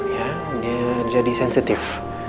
ya dia jadi sensitif